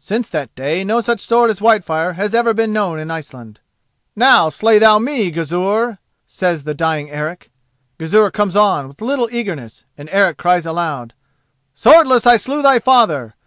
Since that day no such sword as Whitefire has been known in Iceland. "Now slay thou me, Gizur," says the dying Eric. Gizur comes on with little eagerness, and Eric cries aloud: "Swordless I slew thy father!